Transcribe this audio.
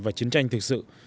và chiến tranh thực sự